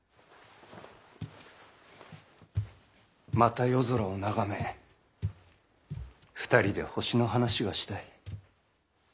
また夜空を眺め２人で星の話がしたい。